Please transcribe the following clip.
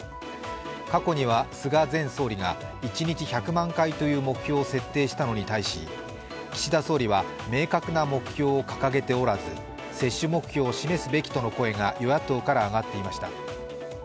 過去には菅前総理が一日１００万回という目標を設定したのに対し岸田総理は明確な目標を掲げておらず、接種目標を示すべきとの声が与野党から上がっていました。